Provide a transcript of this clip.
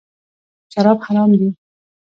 شراب حرام دي .